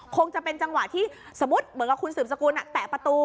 คงจะเป็นจังหวะที่สมมุติเหมือนกับคุณสืบสกุลแตะประตู